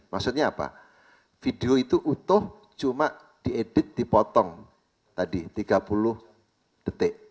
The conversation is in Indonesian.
maksudnya apa video itu utuh cuma diedit dipotong tadi tiga puluh detik